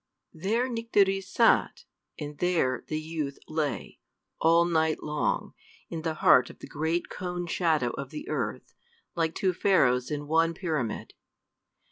There Nycteris sat, and there the youth lay, all night long, in the heart of the great cone shadow of the earth, like two Pharaohs in one pyramid.